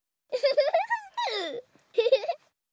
フフフ。